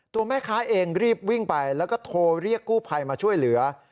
ตัวแม่ค้าเองรีบวิ่งไปแล้วก็โทรเรียกกู้ภัยมาช่วยเหลือ